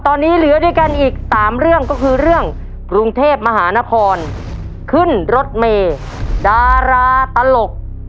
ตอนนี้เหลือด้วยกันอีกสามเรื่องก็คือเรื่องกรุงเทพมหานครขึ้นรถเมย์ดาราตลก